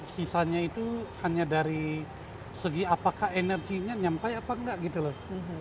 sisanya itu hanya dari segi apakah energinya nyampai atau tidak